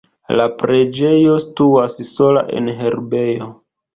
La preĝejo situas sola en herbejo.